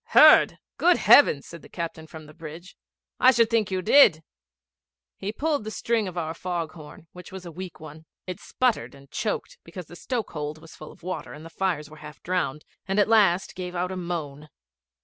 'Heard! Good heavens!' said the captain from the bridge, 'I should think you did.' He pulled the string of our fog horn, which was a weak one. It sputtered and choked, because the stoke hold was full of water and the fires were half drowned, and at last gave out a moan.